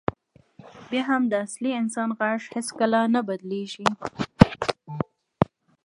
بیا هم د اصلي انسان غږ هېڅکله نه بدلېږي.